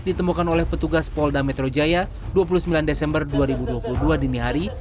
ditemukan oleh petugas polda metro jaya dua puluh sembilan desember dua ribu dua puluh dua dini hari